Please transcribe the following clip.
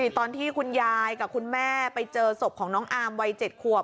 ตอนที่คุณยายกับคุณแม่ไปเจอศพของน้องอามวัย๗ขวบ